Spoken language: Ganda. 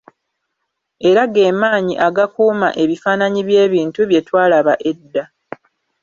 Era ge maanyi agakuuma ebifaananyi by'ebintu bye twalaba edda.